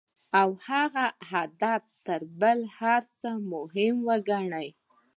او هغه هدف تر بل هر څه مهم وګڼي.